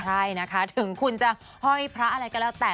ใช่นะคะถึงคุณจะห้อยพระอะไรก็แล้วแต่